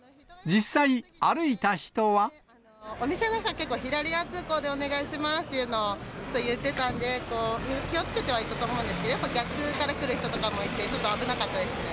お店の人は結構、左側通行でお願いしますっていうのを言ってたんで、気をつけてはいたと思うんですが、やっぱ逆から来る人とかもいて、ちょっと危なかったですね。